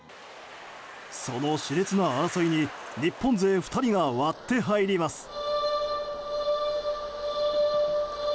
その熾烈な争いに日本勢２人が割って入ります。